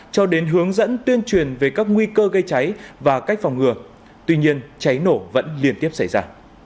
cho đến hướng dẫn tuyên truyền về các nguy cơ gây cháy và cách phòng ngừa tuy nhiên cháy nổ vẫn liên tiếp xảy ra